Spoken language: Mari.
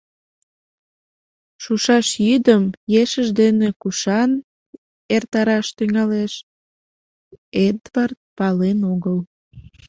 Шушаш йӱдым ешыж дене кушан эртараш тӱҥалеш — Эдвард пален огыл.